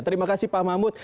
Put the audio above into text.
terima kasih pak mahmud